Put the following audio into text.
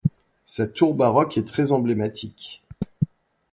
Sa tour baroque est très emblématique.